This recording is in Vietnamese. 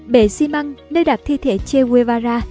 bệ xi măng nơi đặt thi thể che guevara